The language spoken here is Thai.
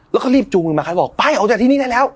แล้วก็รีบจูงกันมาครับบอกไปออกจากที่นี่ได้แล้ว